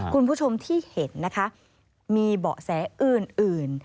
คุณผู้ชมที่เห็นนะคะมีเบาะแสอื่น